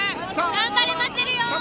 頑張れ待ってるよ。